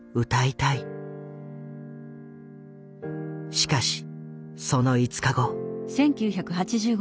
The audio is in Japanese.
しかしその５日後。